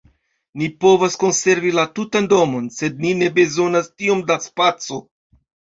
Ni povas konservi la tutan domon, sed ni ne bezonas tiom da spaco.